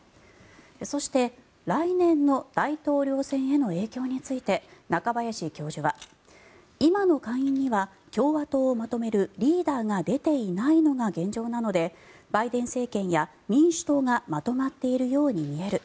そして、来年の大統領選への影響について中林教授は今の下院には共和党をまとめるリーダーが出ていないのが現状なのでバイデン政権や民主党がまとまっているように見える。